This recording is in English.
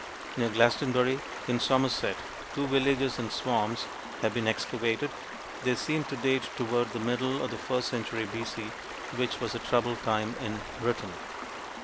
Near Glastonbury, in Somerset, two villages in swamps have been excavated. They seem to date toward the middle of the first century B.C., which was a troubled time in Britain.